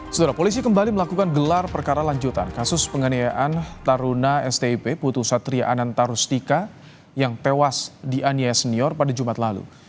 setelah polisi kembali melakukan gelar perkara lanjutan kasus penganiayaan taruna stip putus satria ananta rustika yang tewas dianiaya senior pada jumat lalu